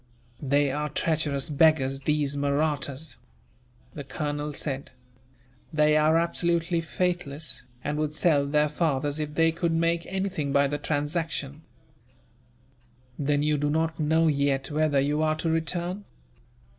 "They are treacherous beggars, these Mahrattas," the colonel said. "They are absolutely faithless, and would sell their fathers if they could make anything by the transaction. "Then you do not know yet whether you are to return?"